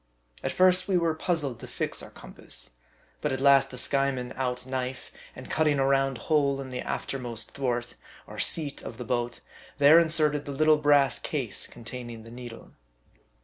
At first we were puzzled to fix our compass. But at last the Skyeman out knife, and cutting a round hole in the after most thwart, or seat of the boat, there inserted the little brass case containing the needle.